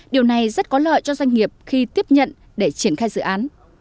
điều này rất có lợi cho doanh nghiệp khi tiếp nhận để triển khai dự án